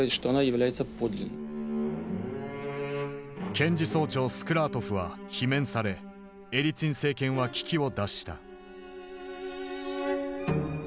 検事総長スクラートフは罷免されエリツィン政権は危機を脱した。